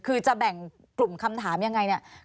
คือจะแบ่งกลุ่มคำถามยังไงเนี่ย